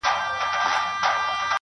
چا چي کړی په چاپلوس باندي باور دی-